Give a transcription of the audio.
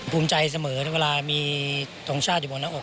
พูดใจเสมอเวลามีตรงชาติในตอนน้ำออก